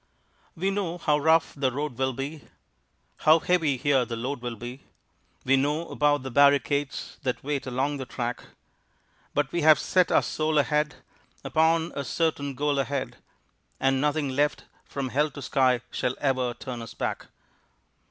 We know how rough the road will be, How heavy here the load will be, We know about the barricades that wait along the track; But we have set our soul ahead Upon a certain goal ahead And nothing left from hell to sky shall ever turn us back.